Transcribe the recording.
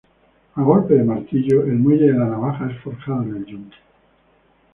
A golpe de martillo el muelle de la navaja es forjado en el yunque.